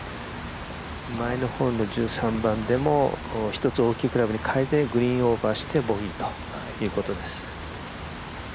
前の方の１３番でも１つ大きいクラブに変えてグリーンオーバーしてボギーということです。